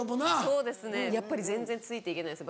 そうですねやっぱり全然ついていけないです